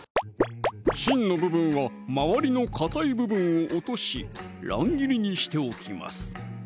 芯の部分は周りのかたい部分を落とし乱切りにしておきます